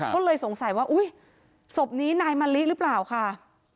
ก็เลยสงสัยว่าอุ๊ยศพนี้นายมะลิหรือเปล่าค่ะ